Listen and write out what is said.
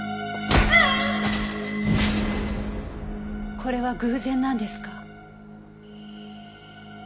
これは偶然なんですか？